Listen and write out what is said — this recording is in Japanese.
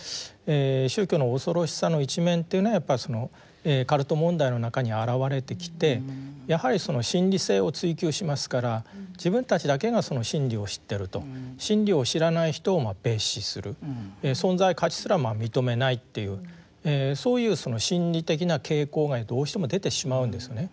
宗教の恐ろしさの一面というのはやっぱりそのカルト問題の中に現れてきてやはり真理性を追求しますから自分たちだけがその真理を知ってると真理を知らない人を蔑視する存在価値すら認めないっていうそういうその心理的な傾向がどうしても出てしまうんですよね。